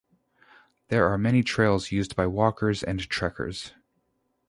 There are many trails used by walkers and trekkers.